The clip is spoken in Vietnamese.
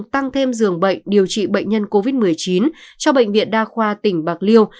bổ sung thêm dường bệnh điều trị bệnh nhân covid một mươi chín cho bệnh viện đa khoa tỉnh bạc liêu